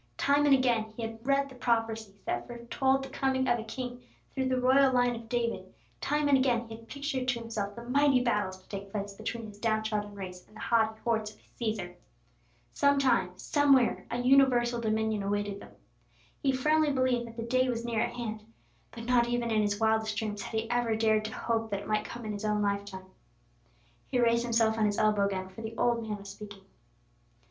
Time and again he had read the prophecies that foretold the coming of a king through the royal line of David; time and again he had pictured to himself the mighty battles to take place between his down trodden race and the haughty hordes of Cæsar. Sometime, somewhere, a universal dominion awaited them. He firmly believed that the day was near at hand; but not even in his wildest dreams had he ever dared to hope that it might come in his own lifetime. He raised himself on his elbow again, for the old man was speaking.